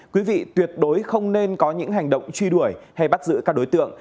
quý vị tuyệt đối không nên có những hành động truy đuổi hay bắt giữ các đối tượng